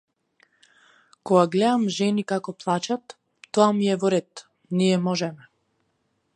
Кога глеам жени како плачат - тоа ми е во ред, ние можеме.